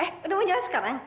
eh udah mau jelas sekarang